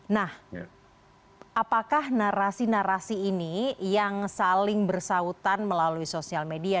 nah apakah narasi narasi ini yang saling bersautan melalui sosial media